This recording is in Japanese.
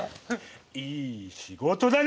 いい仕事だな！